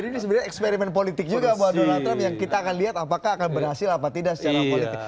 jadi ini sebenarnya eksperimen politik juga buat donald trump yang kita akan lihat apakah akan berhasil apa tidak secara politik